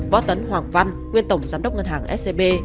võ tấn hoàng văn nguyên tổng giám đốc ngân hàng scb